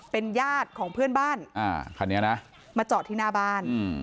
เป็นญาติของเพื่อนบ้านมาเจาะที่หน้าบ้าน